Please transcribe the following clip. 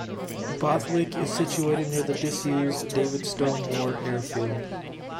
Bowithick is situated near the disused Davidstow Moor airfield.